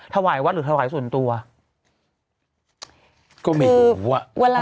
ถวายวัดหรือถวายส่วนตัวก็ไม่รู้อ่ะเวลา